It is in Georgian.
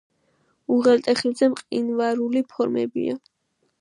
უღელტეხილზე მყინვარული ფორმებია.